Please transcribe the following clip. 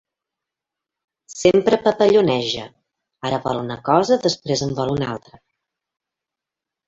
Sempre papalloneja: ara vol una cosa, després en vol una altra.